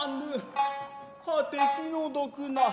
はて気の毒な。